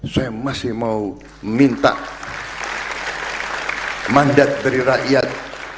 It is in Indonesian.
saya masih mau minta mandat dari rakyat